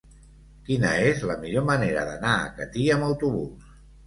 Quina és la millor manera d'anar a Catí amb autobús?